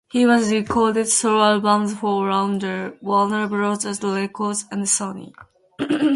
He has recorded solo albums for Rounder, Warner Brothers Records, and Sony.